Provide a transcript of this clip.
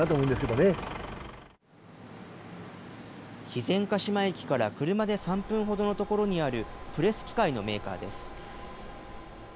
肥前鹿島駅から車で３分ほどのところにあるプレス機械のメーカーです。